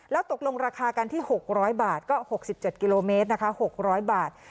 แล้วตกลงราคากันที่หกร้อยบาทก็หกสิบเจ็ดกิโลเมตรนะคะหกร้อยบาท